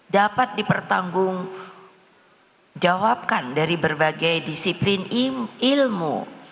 dapat dipertanggungjawabkan dari berbagai disiplin ilmu